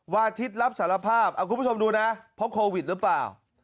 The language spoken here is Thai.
อาทิตย์รับสารภาพเอาคุณผู้ชมดูนะเพราะโควิดหรือเปล่า